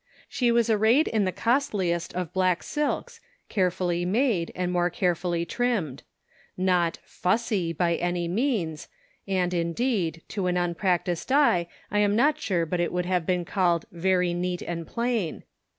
She was arrayed in the costliest of black silks, carefully made, and more carefully trimmed ; not " fussy " by any means, and, indeed, to an unpracticed eye, I am not sure but it would 62 Cake Mathematically Considered. 63 have been called " very neat and plain."